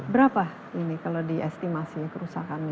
berapa ini kalau diestimasi kerusakan ini